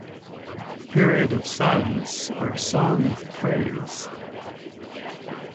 Period of Silence or Song of Praise: